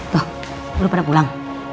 tuh udah pada pulang